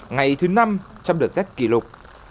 ngày thứ năm trong đợt rét kỷ lục